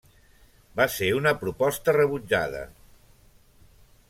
Va ser una proposta rebutjada.